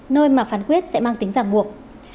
nơi mà phán quyết sẽ mang tính giảm buộc